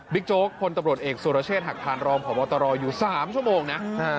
บิ๊กโจ๊กคนตำรวจเอกสุรเชษฐ์หักทานรองผอมอตรออยู่๓ชั่วโมงนะ